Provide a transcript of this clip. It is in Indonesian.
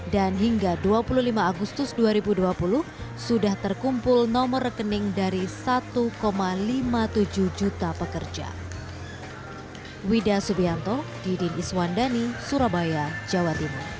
dan hingga dua puluh lima agustus dua ribu dua puluh sudah terkumpul nomor rekening dari satu lima puluh tujuh juta pekerja